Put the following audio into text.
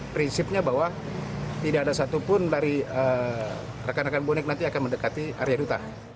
prinsipnya bahwa tidak ada satupun dari rekan rekan bonek nanti akan mendekati area duta